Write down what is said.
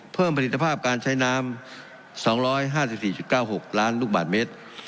เพิ่มผลิตภาพการใช้น้ำ๒๕๔๙๖ล้านลูกบาทเมตร